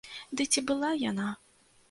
Дый ці была яна?